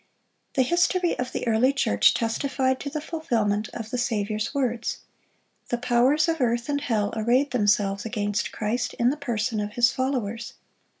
The history of the early church testified to the fulfilment of the Saviour's words. The powers of earth and hell arrayed themselves against Christ in the person of His followers.